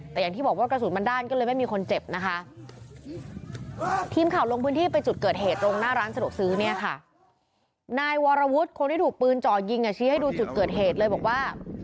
แต่อย่างที่บอกว่ากระสุนบันดาลก็เลยไม่มีคนเจ็บนะคะ